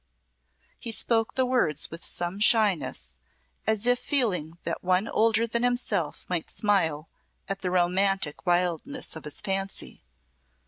He spoke the words with some shyness, as if feeling that one older than himself might smile at the romantic wildness of his fancy.